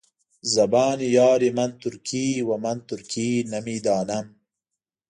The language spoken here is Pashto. زبان یار من ترکي ومن ترکي نمیدانم.